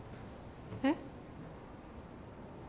えっ？